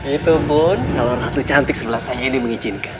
itu pun kalau ratu cantik sebelah saya ini mengizinkan